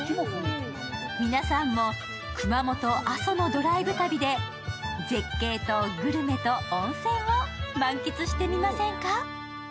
皆さんも、熊本・阿蘇のドライブ旅で絶景とグルメと温泉を満喫してみませんか？